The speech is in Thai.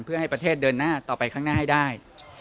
เพื่อให้ประเทศเดินหน้าต่อไปข้างหน้าให้ได้